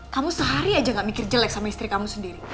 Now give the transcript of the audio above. kamu sehari aja gak mikir jelek sama istri kamu sendiri